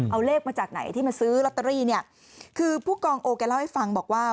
เอาเลขมาจากไหนที่มาซื้อลอตเตอรี่เนี่ยคือผู้กองโอแกเล่าให้ฟังบอกว่า